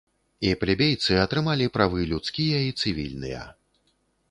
І плебейцы атрымалі правы людскія і цывільныя.